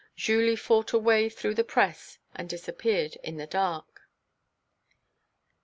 Julie fought a way through the press and disappeared in the dark.